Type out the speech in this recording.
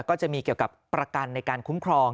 ก็จะมีเกี่ยวกับประกันในการคุ้มครอง